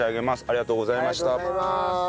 ありがとうございます。